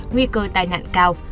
nguy cơ tai nạn cao